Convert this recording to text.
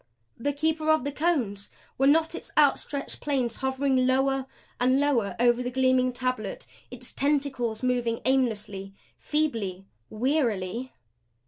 The Keeper of the Cones! Were not its outstretched planes hovering lower and lower over the gleaming tablet; its tentacles moving aimlessly, feebly wearily?